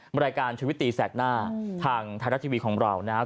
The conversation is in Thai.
รายการชุวิตตีแสกหน้าทางไทยรัฐทีวีของเรานะครับ